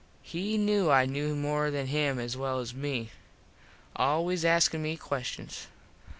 He knew I knew more than him as well as me. Always askin me questions.